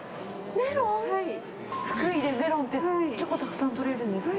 福井でメロンって結構たくさん取れるんですか？